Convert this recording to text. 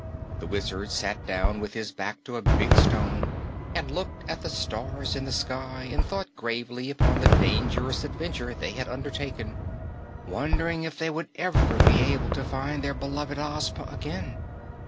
The Wizard sat down with his back to a big stone and looked at the stars in the sky and thought gravely upon the dangerous adventure they had undertaken, wondering if they would ever be able to find their beloved Ozma again.